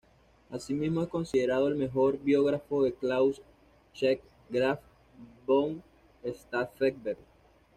Así mismo es considerado el mejor biógrafo de Claus Schenk Graf von Stauffenberg.